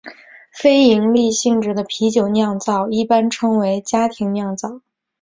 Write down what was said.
非营利性质的啤酒酿造一般称为家庭酿造。